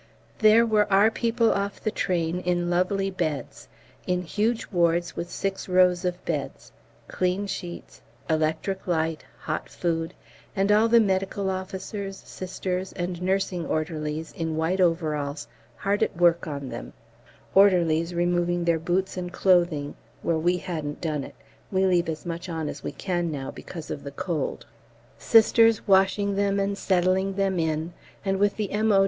There were our people off the train in lovely beds, in huge wards, with six rows of beds clean sheets, electric light, hot food, and all the M.O.'s, Sisters, and Nursing Orderlies, in white overalls, hard at work on them orderlies removing their boots and clothing (where we hadn't done it, we leave as much on as we can now because of the cold). Sisters washing them and settling them in, and with the M.O.